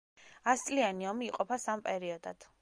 ასწლიანი ომი იყოფა სამ პერიოდად.